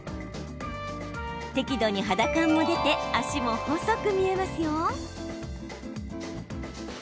適度に肌感も出て脚も細く見えます。